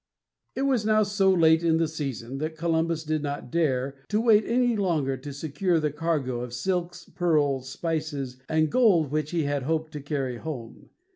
It was now so late in the season that Columbus did not dare to wait any longer to secure the cargo of silks, pearls, spices, and gold which he had hoped to carry home.